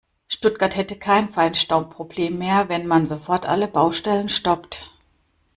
Stuttgart hätte kein Feinstaubproblem mehr, wenn man sofort alle Baustellen stoppt.